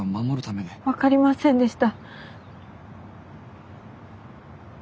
私には分かりませんでした。